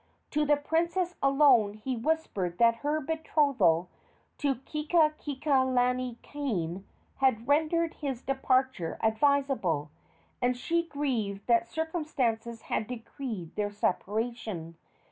To the princess alone he whispered that her betrothal to Keakealanikane had rendered his departure advisable, and she grieved that circumstances had decreed their separation.